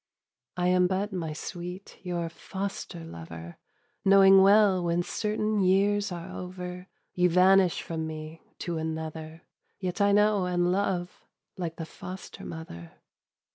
"I am but, my sweet, your foster lover, Knowing well when certain years are over You vanish from me to another; Yet I know, and love, like the foster mother.